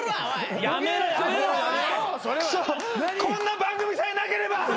こんな番組さえなければ！